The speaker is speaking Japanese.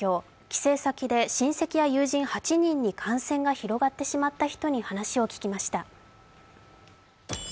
帰省先で親戚や友人８人に感染が広がってしまった人に話を聞きました。